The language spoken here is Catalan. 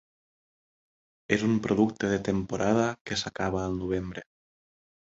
És un producte de temporada que s'acaba al novembre.